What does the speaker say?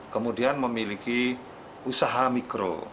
kemudian memiliki usaha mikro